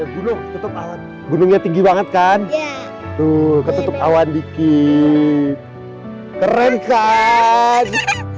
gunung tetap gunungnya tinggi banget kan tuh ketutup awan dikit keren kan